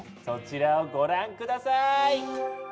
そちらをご覧下さい！